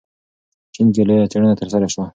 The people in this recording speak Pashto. چین کې لویه څېړنه ترسره شوه.